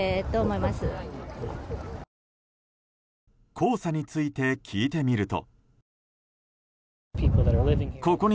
黄砂について聞いてみると。